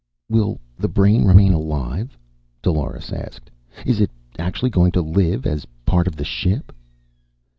"Will the brain remain alive?" Dolores asked. "Is it actually going to live as part of the ship?"